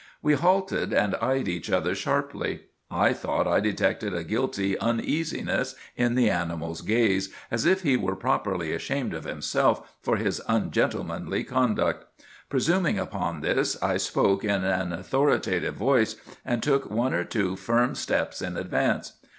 "We halted and eyed each other sharply. I thought I detected a guilty uneasiness in the animal's gaze, as if he were properly ashamed of himself for his ungentlemanly conduct. Presuming upon this, I spoke in an authoritative voice, and took one or two firm steps in advance.